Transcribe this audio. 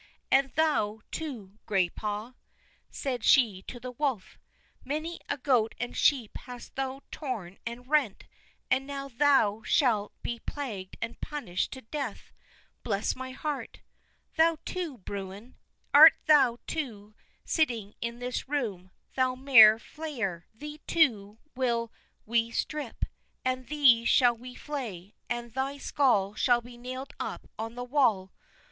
And thou, too, Graypaw," she said to the wolf; "many a goat and sheep hast thou torn and rent, and now thou shalt be plagued and punished to death. Bless my heart! Thou, too, Bruin! Art thou, too, sitting in this room, thou mare flayer? Thee, too, will we strip, and thee shall we flay, and thy skull shall be nailed up on the wall."